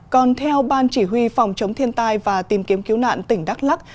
còn theo ban chỉ huy phòng chống thiên tai và tìm kiếm cứu nạn tỉnh đắk lắc